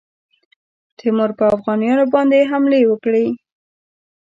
تیمور پر اوغانیانو باندي حملې وکړې.